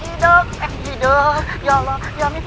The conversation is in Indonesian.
ya allah amin ya allah